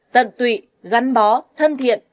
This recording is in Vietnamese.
tận tụy gắn bó thân thiện